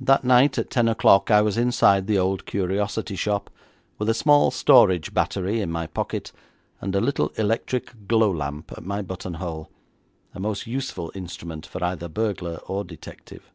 That night at ten o'clock I was inside the old curiosity shop, with a small storage battery in my pocket, and a little electric glow lamp at my buttonhole, a most useful instrument for either burglar or detective.